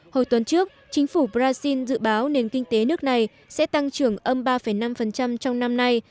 hồi tuần trước chính phủ brazil dự báo nền kinh tế nước này sẽ tăng trưởng âm ba năm trong năm nay